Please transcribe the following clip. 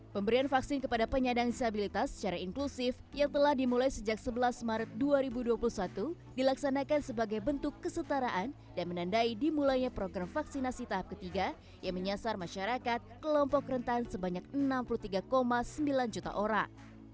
pemberian vaksin kepada penyandang disabilitas secara inklusif yang telah dimulai sejak sebelas maret dua ribu dua puluh satu dilaksanakan sebagai bentuk kesetaraan dan menandai dimulainya program vaksinasi tahap ketiga yang menyasar masyarakat kelompok rentan sebanyak enam puluh tiga sembilan juta orang